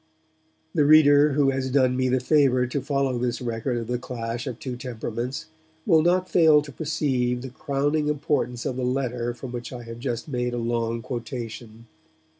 The reader who has done me the favour to follow this record of the clash of two temperaments will not fail to perceive the crowning importance of the letter from which I have just made a long quotation.